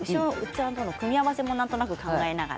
組み合わせも、なんとなく考えながら。